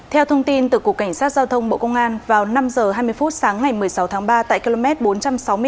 theo thông tin từ cục cảnh sát giao thông bộ công an vào năm h hai mươi phút sáng ngày một mươi sáu tháng ba